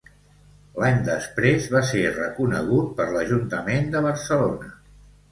L'any després va ser reconegut per l'Ajuntament de Barcelona.